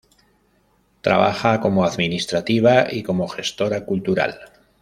Trabaja como administrativa y como gestora cultural.